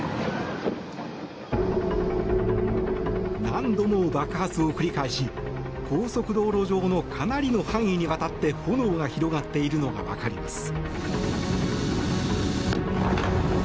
何度も爆発を繰り返し高速道路上のかなりの範囲にわたって炎が広がっているのが分かります。